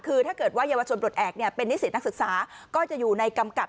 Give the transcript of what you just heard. คือถ้าเกิดว่าเยาวชนปลดแอบเป็นนิสิตนักศึกษาก็จะอยู่ในกำกับ